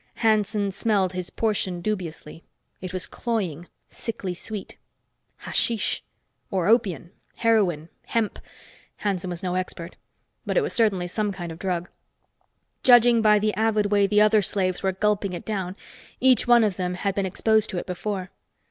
Hanson smelled his portion dubiously. It was cloying, sickly sweet. Hashish! Or opium, heroin, hemp Hanson was no expert. But it was certainly some kind of drug. Judging by the avid way the other slaves were gulping it down, each one of them had been exposed to it before.